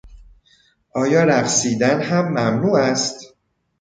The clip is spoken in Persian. آیا رقصیدن هم ممنوع است؟